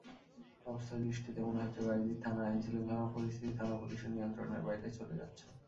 অবস্থাদৃষ্টে মনে হচ্ছে, বায়েজিদ থানার আইনশৃঙ্খলা পরিস্থিতি থানা-পুলিশের নিয়ন্ত্রণের বাইরে চলে যাচ্ছে।